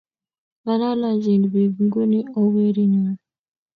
Ngalalachin pik nguni ooh weri nyon